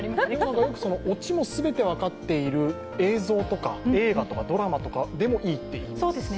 オチも全て分かっている映像とか映画とかドラマとかでもいいっていいますよね。